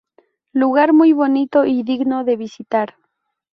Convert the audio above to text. Lugar muy bonito y digno de visitar.